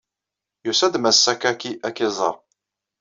Yusa-d Mass Sakaki ad k-iẓeṛ.